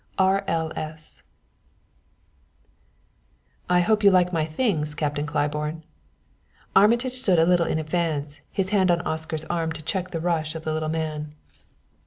R.L.S. "I hope you like my things, Captain Claiborne!" Armitage stood a little in advance, his hand on Oscar's arm to check the rush of the little man.